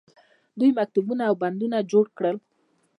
دوی مکتبونه او بندونه جوړ کړل.